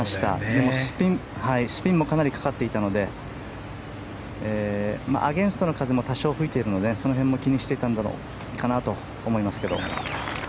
でもスピンもかなりかかっていたのでアゲンストの風も多少吹いているのでその辺も気にしていたんだろうかと思いますけど。